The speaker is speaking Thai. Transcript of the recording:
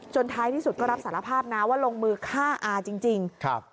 ท้ายที่สุดก็รับสารภาพนะว่าลงมือฆ่าอาจริงครับ